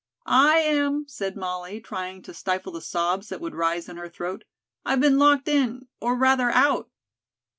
"I am," said Molly, trying to stifle the sobs that would rise in her throat. "I've been locked in, or rather out."